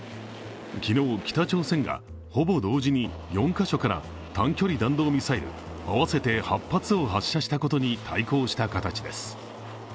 昨日、北朝鮮がほぼ同時に４カ所から短距離弾道ミサイル合わせて８発を発射したことに対抗した形です。